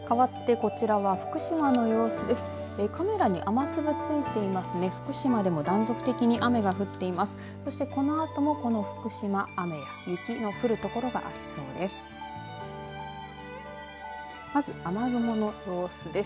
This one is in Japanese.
このあともこの福島雨や雪の降る所がありそうです。